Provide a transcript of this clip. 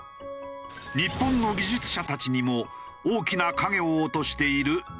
日本の技術者たちにも大きな影を落としている物価高。